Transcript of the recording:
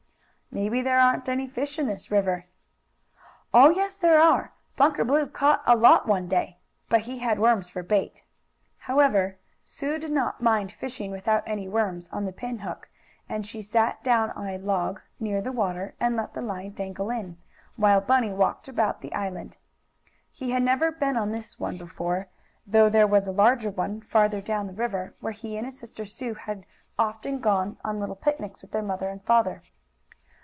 "Maybe there aren't any fish in this river." "Oh, yes there are. Bunker Blue caught a lot one day. But he had worms for bait." However Sue did not mind fishing without any worms on the pin hook, and she sat down on a log, near the water and let the line dangle in it, while Bunny walked about the island. He had never been on this one before, though there was a larger one, farther down the river, where he and his sister Sue had often gone on little picnics with their mother and father.